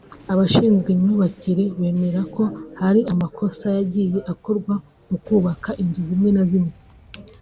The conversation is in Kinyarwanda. Abashinzwe imyubakire bemera ko hari amakosa yagiye akorwa mu kubaka inzu zimwe na zimwe